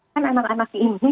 kan anak anak ini